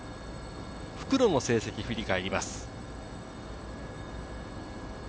復路の成績を振り返ります。